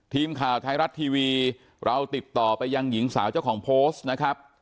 ทีมข่าวไทยรัฐทีวีเราติดต่อไปยังหญิงสาวเจ้าของโพสต์นะครับ